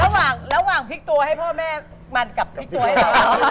หลักหว่างพลิกตัวให้พ่อแม่มันกับพลิกตัวให้พ่อแม่มัน